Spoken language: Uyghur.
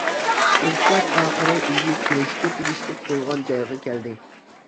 قىزچاق ئاخىرى ئۆزى كېلىشكە تېگىشلىك بولغان جايغا كەلدى.